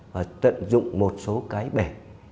và tận dụng một số cái bể